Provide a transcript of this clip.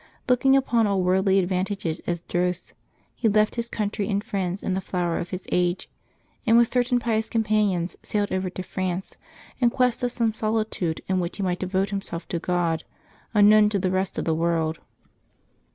Looking upon all worldly advantages as dross, he left his country and friends in the flower of his age, and with certain pious companions sailed over to France, in quest of some solitude in which he might devote himself to God, unknown to the rest of the world.